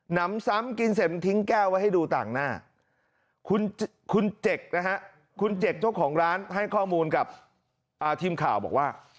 นำซ้ำกินเสร็จมันทิ้งแก้วไว้ให้ดูต่างหน้าคุณเจกนะฮะคุณเจกเจ้าของร้านให้ข้อมูลกับทีมข่าวบอกว่า